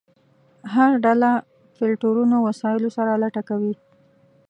هر ډله فلټرونو وسایلو سره لټه کوي.